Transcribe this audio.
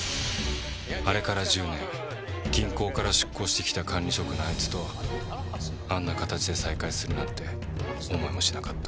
あれから１０年銀行から出向してきた管理職のあいつとあんな形で再会するなんて思いもしなかった。